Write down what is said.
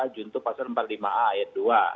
juntuh pasal empat puluh lima a ayat dua